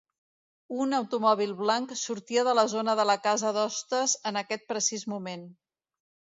Un automòbil blanc sortia de la zona de la casa d'hostes en aquest precís moment.